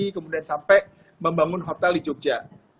kemudian sampai membangun hotel di jogja